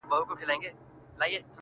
گراني په دې ياغي سيتار راته خبري کوه-